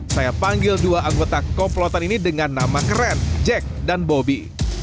saya panggil dua anggota komplotan ini dengan nama keren jack dan bobi